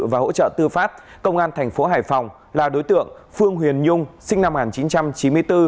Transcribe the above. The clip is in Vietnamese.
và hỗ trợ tư pháp công an thành phố hải phòng là đối tượng phương huyền nhung sinh năm một nghìn chín trăm chín mươi bốn